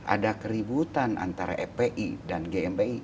ada keributan antara fpi dan gmi